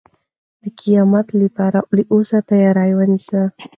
د قیامت لپاره له اوسه تیاری ونیسئ.